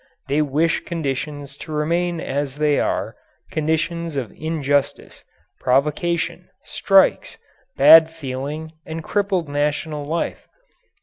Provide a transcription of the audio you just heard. They wish conditions to remain as they are, conditions of injustice, provocation, strikes, bad feeling, and crippled national life.